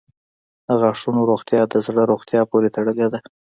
• د غاښونو روغتیا د زړه روغتیا پورې تړلې ده.